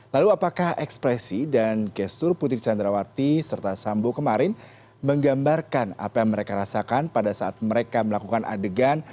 lalu apakah ekspresi dan gestur putri candrawati serta sambo kemarin menggambarkan apa yang mereka rasakan pada saat mereka melakukan adegan